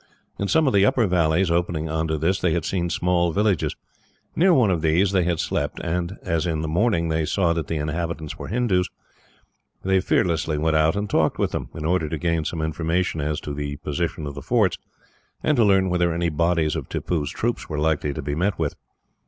In some of the upper valleys, opening on to this, they had seen small villages. Near one of these they had slept, and as in the morning they saw that the inhabitants were Hindoos, they fearlessly went out and talked with them, in order to gain some information as to the position of the forts, and to learn whether any bodies of Tippoo's troops were likely to be met with.